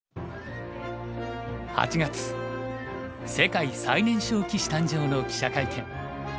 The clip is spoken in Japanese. ８月世界最年少棋士誕生の記者会見。